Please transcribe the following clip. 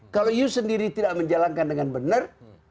kalau you sendiri tidak menjalankan dengan benar